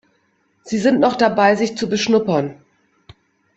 Sie sind noch dabei, sich zu beschnuppern.